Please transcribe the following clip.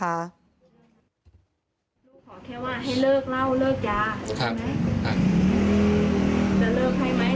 ขอแค่ว่าให้เลิกเล่าเลิกยาใช่ไหมจะเลิกให้ไหม